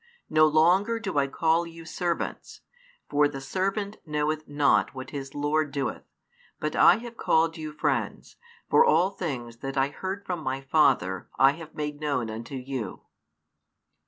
No longer do I call you servants; for the servant knoweth not what his lord doeth: but I have called you friends; for all things that I heard from My Father I have made known unto you.